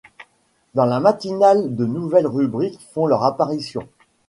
Dans la matinale de nouvelles rubriques font leur apparition.